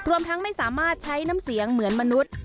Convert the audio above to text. แล้วที่ยังไม่สามารถใช้นำเสียงเหมือนมนุษย์